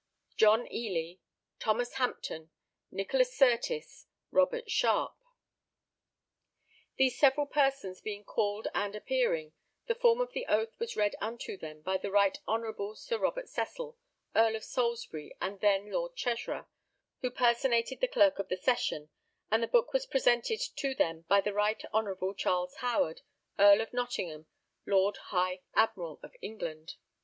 John Elye. Thomas Hampton. Nicholas Surtis. Robert Sharpe. These several persons being called and appearing, the form of the oath was read unto them by the Right Honourable Sir Robert Cecil, Earl of Salisbury, and then Lord Treasurer, who personated the Clerk of the Session, and the book was presented to them by the Right Honourable Charles Howard, Earl of Nottingham, Lord High Admiral of England.